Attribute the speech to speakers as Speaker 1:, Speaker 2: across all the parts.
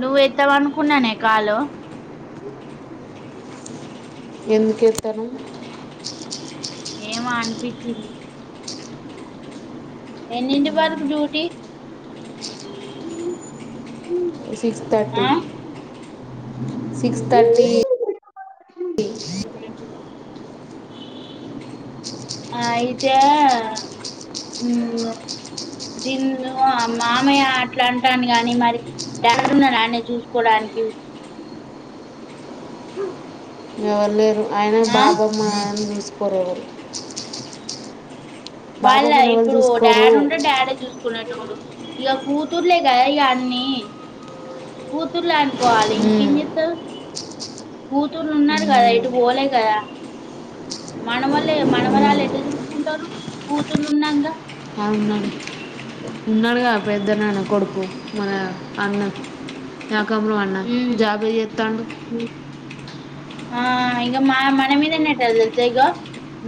Speaker 1: నువ్వు ఎత్తవను కున్ననే కాలు
Speaker 2: ఎందుకెత్తను
Speaker 1: ఏమో అనిపించింది ఎన్నీంటి వరకు duty
Speaker 2: six thirty six
Speaker 1: [inaudible]
Speaker 2: thirty
Speaker 1: ఇప్పుడేంటి ఆ అయితే సింధు మామయ్య అట్లా అంటాను కాని మరి డాడి ఉన్నాడ ఆయన్ని చూసుకోడానికి
Speaker 2: ఎవరు లేరు ఆయన
Speaker 1: ఆ
Speaker 2: బాబమ్మ అని కోరేరు
Speaker 1: వాళ్ళ ఇప్పుడు
Speaker 2: చూసుకోరు
Speaker 1: డాడీ ఉంటే డాడే చూసుకునేటొడు వీళ్ళకు కూతుర్లే కదా ఇక అన్నీ కూతుర్లే
Speaker 2: ఉమ్,
Speaker 1: వాళ్ళింకేమ్ చేత్తరు కూతుర్లు ఉన్నారు కదా
Speaker 2: ఉమ్,
Speaker 1: ఎటు బోలే క మనవళ్ళే మనవారళ్ళు
Speaker 2: ఉమ్.
Speaker 1: ఎట్లా చూసుకుంటారు కూతుర్ళున్నాంగా
Speaker 2: అ ఉన్నాడు ఉన్నాడుగా పెద్ద నాన్న కొడుకు మన అన్న కము అన్న
Speaker 1: హ్మ్.
Speaker 2: జాబే చెత్తాండు
Speaker 1: హ్మ్. ఆ ఇక మా మన మీదనే కదావొచ్ఛేగా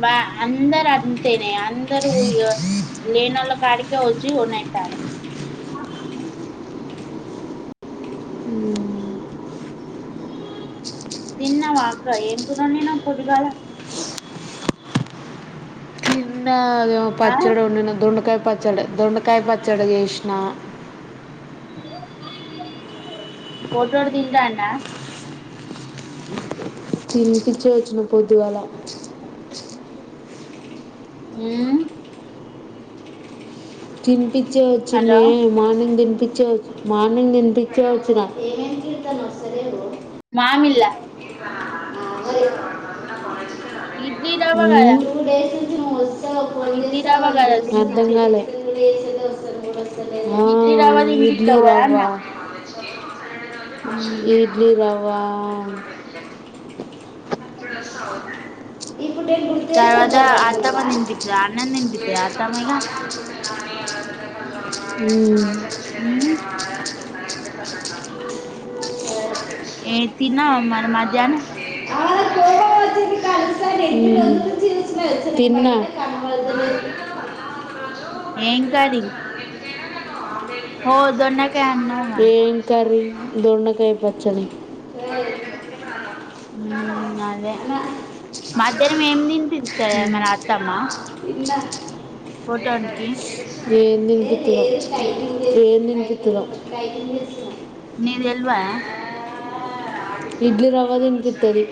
Speaker 1: బా అందరు అంతేనే అందరు ఇగో లేనోళ్ళ కాడికె వచ్చి కొనే [unintelligible] తిన్నావా అక్కఏం టిఫెన్ తిన్నావు పోద్ధుగల
Speaker 2: ఇంకా
Speaker 1: ఆ!
Speaker 2: పచ్చడి ఉండిన దొండకాయ పచ్చడ దొండకాయ పచ్చ జడ చెస్నా
Speaker 1: ఫోట్టొడుతింటాండా
Speaker 2: తినిపించే యచ్చు పొద్దుగాల
Speaker 1: ఉమ్
Speaker 2: తిన్ చ్చే
Speaker 1: హలో!
Speaker 2: యచ్చేంనే మార్నింగ్ తినిపి పిచే మార్నింగ్ తినిపించే వచిన
Speaker 1: మామిల్ల
Speaker 2: మరి
Speaker 1: ఇడ్లీ రవ్వ కదా
Speaker 2: న్యూస్
Speaker 1: తినిపిచ్చేది.
Speaker 2: అర్థంగాలే [unintelligible] హా
Speaker 1: ఇడ్లీ
Speaker 2: ఆ
Speaker 1: రవ్వ తినిపిత్తవు గదా
Speaker 2: ఇడ్లీరవ్వ
Speaker 1: అన్నా. హ్మ్.
Speaker 2: [inaudible] ఇడ్లీ రా వా ఇప్పుడు నేను గుర్ చేసి
Speaker 1: తర్వాత
Speaker 2: వద్దాాల
Speaker 1: అత్తమ్మ
Speaker 2: అనుకున్నావా
Speaker 1: తినిపిత్తదా? అన్నం తినిపిత్తదా అత్తమ్మ ఇగ?
Speaker 2: ఉమ్
Speaker 1: నిను
Speaker 2: [inaudible]
Speaker 1: ఏ తినావా మరి మధ్యనం
Speaker 2: ఉమ్ తన్నా
Speaker 1: ఏ కర్రీ ఓ ధూన్
Speaker 2: ఏం కరీ దొన్డకాయి పచ్చడి
Speaker 1: ఉమ్ అ అదే
Speaker 2: అన్నా తిన్నా
Speaker 1: మధ్యాహ్నం ఏమి తిని తితారు మన అత్తమ్మ పోటానికి
Speaker 2: ఎమ్ తినిపిస్తున్నావ్ ఎమ్ తినిపిస్తున్నావ్
Speaker 1: నీకు తెల్వదా
Speaker 2: ఇడ్లీ రవ్వ తినిపిస్తది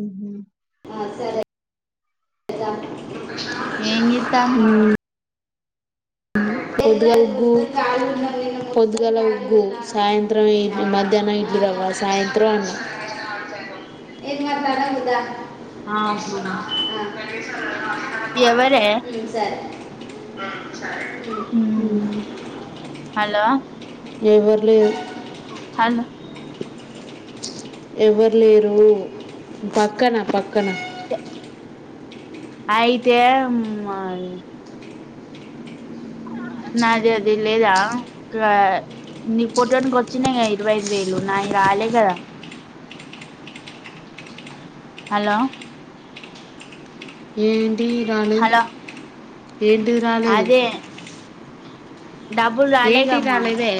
Speaker 1: ఉహు
Speaker 2: ఆ సరే
Speaker 1: ఏం గితాను
Speaker 2: పొద్దుగల ఉగ్గు పొద్దుగల ఉగ్గు సాయంత్రం మధ్యాహ్నం ఇడ్లీ రవ్వ సాయంత్రం
Speaker 1: ఆహా
Speaker 2: దర్శనా అ స
Speaker 1: ఎవరే
Speaker 2: ఆ
Speaker 1: ఉమ్
Speaker 2: మ్
Speaker 1: హలో
Speaker 2: ఎవరి ప
Speaker 1: హలో
Speaker 2: ఎవరు లేరు పక్కన పక్కన
Speaker 1: అయితే మ్ నాది అది లేదా ఇ నీ పుట్టనికి వచ్చినాయి కదా ఇరవై ఐదు వేలు నాయి రాలే కదా హలో
Speaker 2: మ్ టీ గాని
Speaker 1: హలో
Speaker 2: ఏంటిది రాలేదు
Speaker 1: అదే డబ్బులు రాలే
Speaker 2: ఏంటి
Speaker 1: గా అమ్మా
Speaker 2: రాలేదే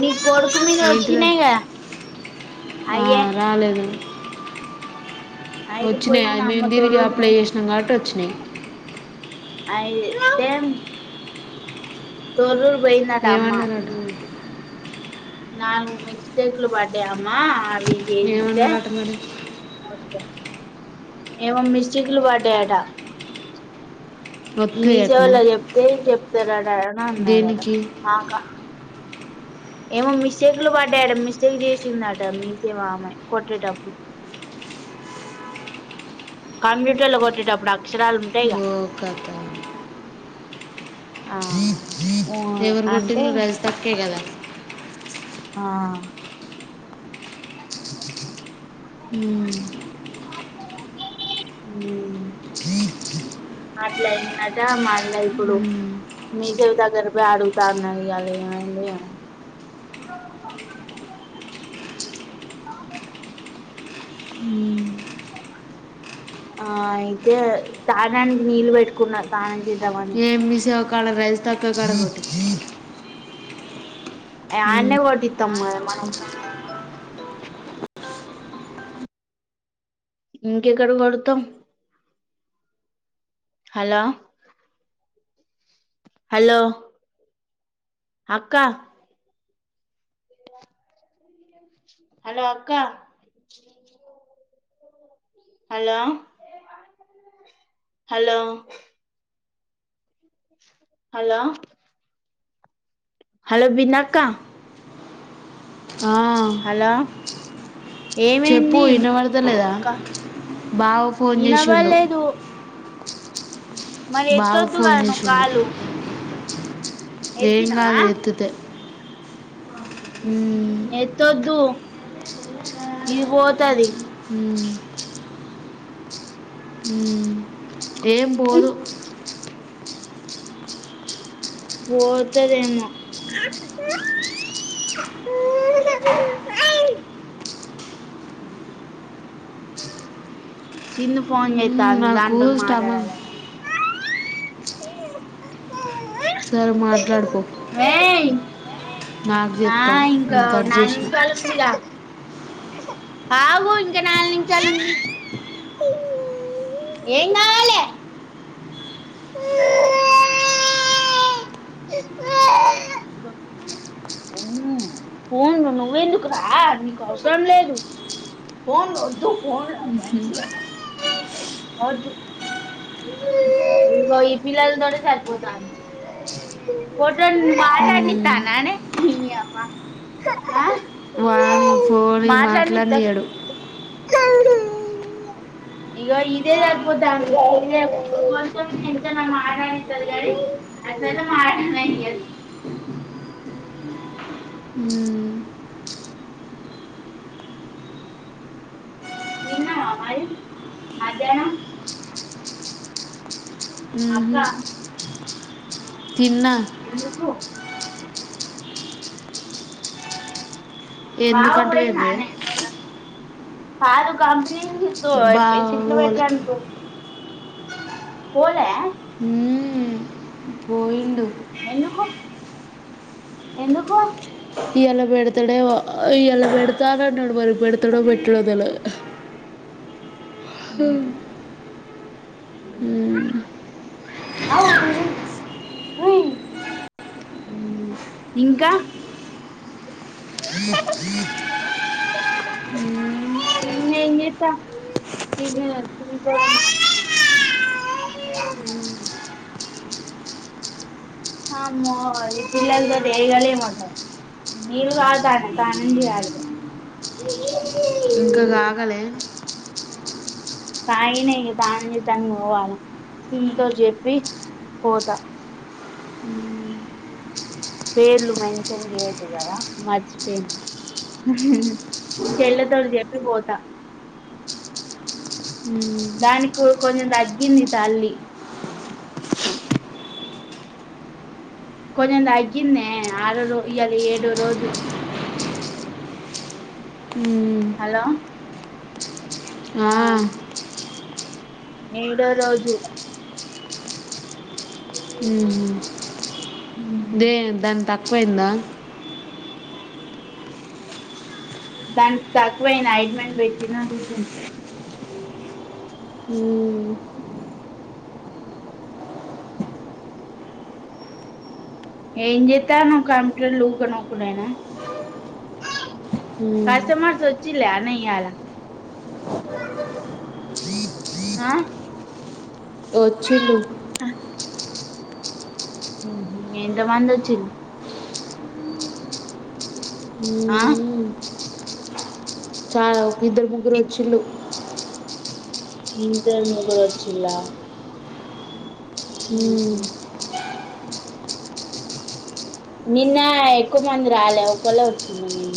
Speaker 1: నీ కొడుకు మీద
Speaker 2: ఏంటిదా
Speaker 1: వచ్చినయి కదా
Speaker 2: ఆ,
Speaker 1: అయ్యే ఐదు
Speaker 2: వచ్చినియ
Speaker 1: పోయింది
Speaker 2: అవి
Speaker 1: అమ్మ
Speaker 2: మేము తిరిగి
Speaker 1: తొర్రూరు
Speaker 2: అప్లై చేసినాం కాబట్టి వచ్చినాయి
Speaker 1: అయితే తో పోయిందట అమ్మా
Speaker 2: ఏమన్నారట
Speaker 1: ఉ నాలుగు మిస్టేకులు పడ్డాయమ్మ ఇవి చేపిస్తే
Speaker 2: ఏమన్నారట మరి
Speaker 1: మొత్తం ఎవో మిస్టీకులు పడ్డాయట
Speaker 2: వస్తుంది
Speaker 1: మీసేవ
Speaker 2: అట్నా
Speaker 1: లోచెప్తే చెప్తారట అని అన్నాారట
Speaker 2: దేనికి
Speaker 1: ఏమో మిస్టేక్లు పడ్డాయడ మిస్టేక్ చేసిందట మీసేవ ఆమె కొట్టేటప్పుడు కంప్యూటర్ లో కొట్టేటప్పుడు అక్షరాలు ఉంటాయిగా
Speaker 2: [unintelligible]
Speaker 1: ఆ
Speaker 2: ఎవరు
Speaker 1: అంటే
Speaker 2: కొట్టిలు రజతక్కే కదా
Speaker 1: ఆ
Speaker 2: మ్
Speaker 1: ఉ అట్లయిందట మళ ఇప్పుడు
Speaker 2: ఉమ్,
Speaker 1: మీసేవ దగ్గర పోయి అడుగుతా అన్నది ఇలా ఏమైంది
Speaker 2: ఉమ్.
Speaker 1: ఆ అయితే తాగాడానికి నీళ్ళు పెట్టుకున్న తానం చే
Speaker 2: ఏ మీసేవ కాడ రైస్ సర్కిల్ కాడా [unintelligible]
Speaker 1: అయి అన్నే కొట్టితమ్ కదా మనం ఇంకెక్కడ కొడుతం హలో హలో అక్క హలో అక్క హలో హలో హలో హలో వినక్క
Speaker 2: ఆ, చెప్పు
Speaker 1: ఏమైంది
Speaker 2: వినబడతలేదా
Speaker 1: క
Speaker 2: బావ ఫోన్ చేసిండు
Speaker 1: ఇనబడలేదు మరి ఎత్తొద్దు కదా నువ్వు కాలు
Speaker 2: [inaudible]
Speaker 1: ఎత్తినవా
Speaker 2: ఏంగాదు ఎత్తుతే
Speaker 1: ఎతొద్దు ఇది పోతది
Speaker 2: మ్ మ్ ఏ
Speaker 1: పోతదేమో సిందు ఫోన్ జేయి
Speaker 2: ఉమ్,
Speaker 1: దాన్
Speaker 2: నాకు
Speaker 1: దాంట్లోని
Speaker 2: స్టమక్
Speaker 1: మాట్లాడాలటా
Speaker 2: సరే మాట్లాడుకో
Speaker 1: రేయ్
Speaker 2: నాకు
Speaker 1: ఆ
Speaker 2: చెప్తాను
Speaker 1: ఇంకా
Speaker 2: నేను కట్
Speaker 1: నాలగు
Speaker 2: చేసిన
Speaker 1: నిమిషాలే ఉంది కదా కావు ఇంక నాలుగు నిషాలు ఉంది ఏం కావాలి ఫోన్లు నువ్వెందుకు రా నీకు అవసరం లేదు ఫోన్లు వద్దు ఫోన్లు
Speaker 2: ఉహు.
Speaker 1: మంచిగా వద్దు పిల్లలతోనే సరిపోతుంది మాట్లాడనిస్తూ
Speaker 2: ఉమ్,
Speaker 1: డ్రా
Speaker 2: వాన పోని మాట్లాడనా ఇయాడు
Speaker 1: ఇదిగో ఇదే సరిపోతుంది కొంతనా మడిద గడి అసల మనాది
Speaker 2: ఉమ్,
Speaker 1: తిన్నావా మరి మధ్యానం
Speaker 2: ఉహు.
Speaker 1: అబ్బా
Speaker 2: తిన్నా
Speaker 1: ఎందుకు బావ
Speaker 2: ఎందుకంటే
Speaker 1: పోయిన్న
Speaker 2: ఏంది
Speaker 1: నే కాదు కంప్ శిల్ శిత్తో
Speaker 2: బావ
Speaker 1: పెన్సిల్ పెట్
Speaker 2: పోలే
Speaker 1: రనుకో పోలా
Speaker 2: హూ మ్ పోయిండు
Speaker 1: ఎందుకు ఎందుకో
Speaker 2: ఇయళ పెడతాడే మో ఇయాళ పెడతా నన్నాడు మరి పెడతాడో పెట్టడో తెలద్
Speaker 1: ఆ అ ఇంకా ఇంగ మ్ చేస్త [inaudible] హమ్మో ఈ పిల్లలతోటి ఎగలేం అసల్ నీల్ కాగ్ తండాయి స్నానం చేయాలిగా
Speaker 2: ఇంక కాగలే
Speaker 1: కాగినేయి ఇగ స్నానం చేస్తానికి పోవాల సింతో చెప్పి పోతా పేర్లు మెంచం చేయదు కదా మర్చిపోయిన చెల్లతోటి చెప్పి పోతా
Speaker 2: హ్మ్
Speaker 1: కు కొంచెం తగ్గింది తల్లి కొంచెం తగ్గిందే ఆరో రో ఇయ్యాల ఏడు రోజు
Speaker 2: ఉమ్
Speaker 1: హలో ఆ ఏడో రోజు
Speaker 2: దేని దన్ తక్ పోయిందా
Speaker 1: దానికి తక్కువేనయి ఆ ఇంట్మెంట్ పెట్టిన చూడ్ దిన్
Speaker 2: ఉమ్
Speaker 1: ఏం చేస్తానవ్ కంప్యూటర్ లో ఊక నొక్కుడేనా
Speaker 2: ఉమ్
Speaker 1: కస్టమర్స్ వచ్చిలే నే ఇయ్యాల ఆ
Speaker 2: వాచ్చుల్లు
Speaker 1: హు హుమ్ ఎంతమంది వచ్చిల్ ఆ
Speaker 2: చారౌ ఇద్దరు ముగ్గురు వచ్చిల్లు
Speaker 1: నిద్దర్ ముగుల్ వచ్చిలా ఉ
Speaker 2: ఉమ్
Speaker 1: హూ నిన్న ఎక్కువ మంది రాలే ఒకలే వచ్చింది నిన్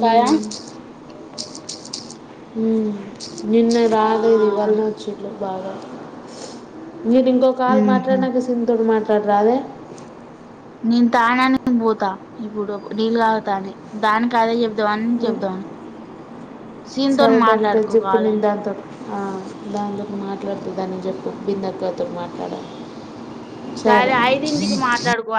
Speaker 1: కాయ
Speaker 2: ఉమ్ ఉమ్
Speaker 1: అ
Speaker 2: నిన్న రాలేదు ఇవాలళ్ నే వచ్చుల్లు బాగ నేను ఇంకు కాల్ మాట
Speaker 1: మ్మ్హ్మ్.
Speaker 2: నాం సిందోడు మాట నాకు రాదే
Speaker 1: నేను తానేని పోతా ఇప్పుడు నీళ్ళ కాగోతానే దానికి అదే చెప్ సెవెన్ కి చెపుదాం
Speaker 2: సరదాగా చెప్పు
Speaker 1: కావాలని
Speaker 2: నిందాంత ఆ దానిలోపు మాట్లాడుతు దానికి చెప్పి బింద క్క తో మాట్లాడ
Speaker 1: సరే ఐదింటికి మాట్లాడుకో